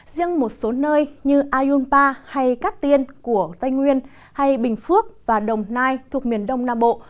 riêng một số nơi như ayunpa hay cát tiên của tây nguyên hay bình phước và đồng nai thuộc miền đông nam bộ